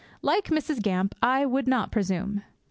Like Mrs. Gamp, I would not presume.